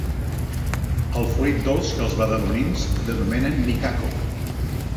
El fruit dolç que els badalonins denominen micaco.